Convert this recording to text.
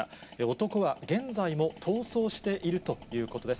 男は現在も逃走しているということです。